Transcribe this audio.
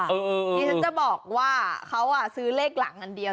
นี่ฉันจะบอกว่าเขาซื้อเลขหลังอันเดียว